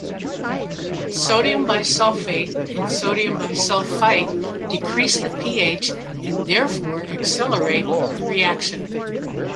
Sodium bisulfate and sodium bisulfite decrease the pH and therefore accelerate the reaction.